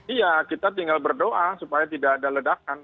iya kita tinggal berdoa supaya tidak ada ledakan